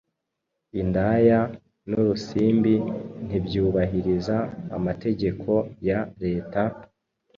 Indaya n’Urusimbi ntibyubahiriza amategeko ya Leta,